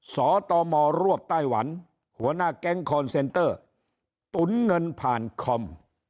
สตมรวบไต้หวันหัวหน้าแก๊งคอนเซนเตอร์ตุ๋นเงินผ่านคอม